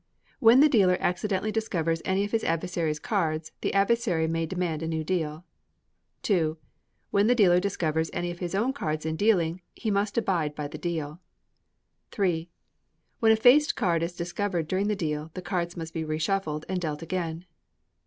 When the dealer accidentally discovers any of his adversary's cards, the adversary may demand a new deal. ii. When the dealer discovers any of his own cards in dealing, he must abide by the deal. iii. When a faced card is discovered during the deal, the cards must be reshuffled, and dealt again.